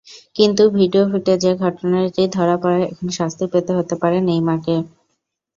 কিন্তু ভিডিও ফুটেজে ঘটনাটি ধরা পড়ায় এখন শাস্তি পেতে হতে পারে নেইমারকে।